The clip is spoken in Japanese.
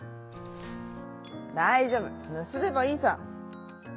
「だいじょうぶむすべばいいさ。